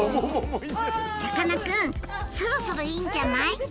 さかなクンそろそろいいんじゃない？